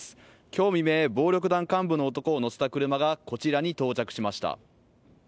きょう未明暴力団幹部の男を乗せた車がこちらに到着しました